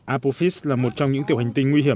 apophis là một trong những tiểu hành tinh nguy hiểm